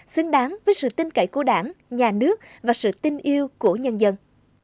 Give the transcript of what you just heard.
xứng đáng với sự tin cậy của đảng nhà nước và sự tin yêu của nhân dân